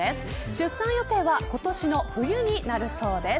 出産予定は今年の冬になるそうです。